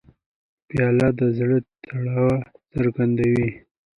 پیاله د زړه تړاو څرګندوي.